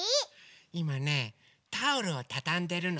いまねタオルをたたんでるの。